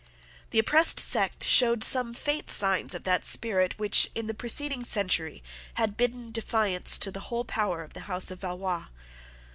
The oppressed sect showed some faint signs of that spirit which in the preceding century had bidden defiance to the whole power of the House of Valois.